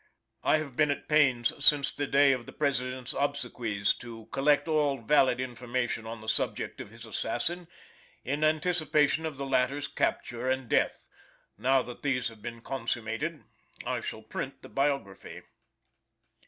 I have been at pains, since the day of the President's obsequies, to collect all valid information on the subject of his assassin, in anticipation of the latter's capture and death. Now that these have been consummated, I shall print this biography.